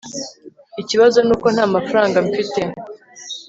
ikibazo nuko ntamafaranga mfite